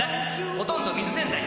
ほとんど水洗剤